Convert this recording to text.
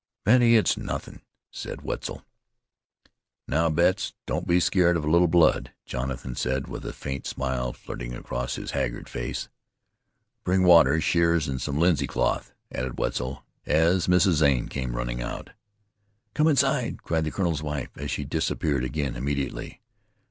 "Betty, it's nothin'," said Wetzel. "Now, Betts, don't be scared of a little blood," Jonathan said with a faint smile flitting across his haggard face. "Bring water, shears an' some linsey cloth," added Wetzel, as Mrs. Zane came running out. "Come inside," cried the colonel's wife, as she disappeared again immediately.